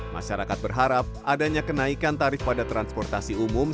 masyarakat berharap adanya kenaikan tarif pada transportasi umum